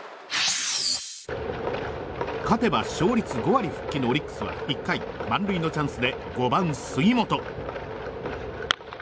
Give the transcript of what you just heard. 勝てば勝率５割復帰のオリックスは１回、満塁のチャンスで５番、杉本。